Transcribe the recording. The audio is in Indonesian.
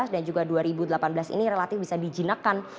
dan juga dua ribu delapan belas ini relatif bisa dijinakkan